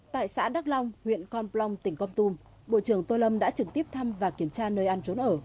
tại xã đắk long huyện con plong tỉnh con tum bộ trưởng tô lâm đã trực tiếp thăm và kiểm tra nơi ăn trốn ở